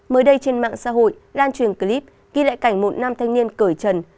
mới đây trên mạng xã hội lan truyền clip ghi lại cảnh một nam thanh niên cởi trần